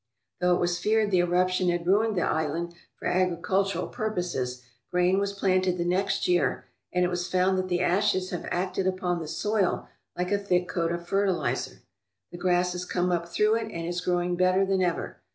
Though it was feared the eruption had ruined the island for agricultural purposes, grain was planted the next year, and it was found that the ashes have acted upon the soil like a thick coat of fertilizer. The grass has come up through it and is growing better than ever.